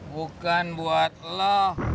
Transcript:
bukan buat lo